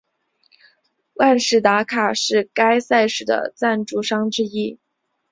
万事达卡是该赛事的赞助商之一。